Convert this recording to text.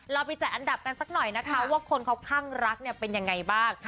เราไปจัดอันดับกันสักหน่อยนะคะว่าคนเขาข้างรักเนี่ยเป็นยังไงบ้าง